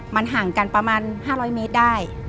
มันห่างกันประมาณ๕๐๐เมตรได้